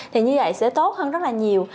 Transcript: thì như vậy sẽ tốt hơn rất là nhiều